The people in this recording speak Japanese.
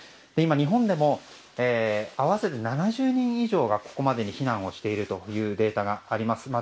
今、日本でも合わせて７０人以上がここまでに避難しているというデータがあります。